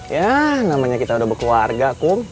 ya namanya kita udah berkeluarga kum